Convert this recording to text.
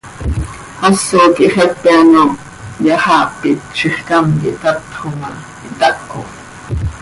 Haso quih xepe ano hyaxaapit, zixcám quih tatxo ma, htaho.